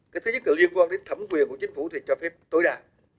cái thứ nhất là liên quan đến thẩm quyền của chính phủ thì cho phép tối đa